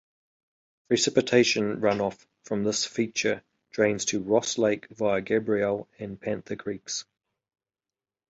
Precipitation runoff from this feature drains to Ross Lake via Gabriel and Panther Creeks.